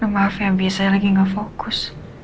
maaf ya biasanya lagi gak fokus